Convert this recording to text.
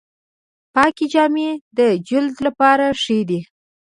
پاکې جامې د جلد لپاره ښې دي۔